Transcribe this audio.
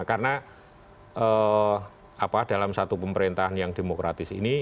karena apa dalam satu pemerintahan yang demokratis ini